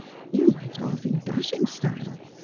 ' You went off in dashinp: style.